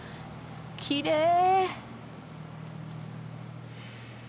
きれい！